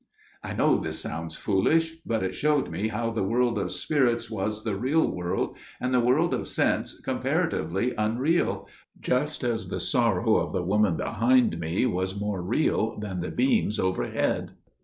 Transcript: "I know this sounds foolish, but it showed me how the world of spirits was the real world, and the world of sense comparatively unreal, just as the sorrow of the woman behind me was more real than the beams overhead.